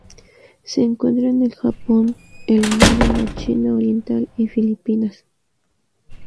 Se encuentra en el Japón, el Mar de la China Oriental y Filipinas.